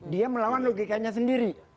dia melawan logikanya sendiri